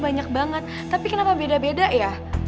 banyak banget tapi kenapa beda beda ya